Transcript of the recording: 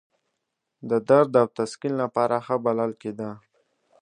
د درد او تسکین لپاره ښه بلل کېده.